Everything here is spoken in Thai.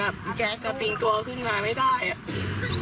เหมือนแบบจะติดกว่าขึ้นมาไม่ได้